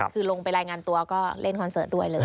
คือลงไปรายงานตัวก็เล่นคอนเสิร์ตด้วยเลย